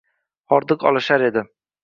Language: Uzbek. Hordiq olishar edi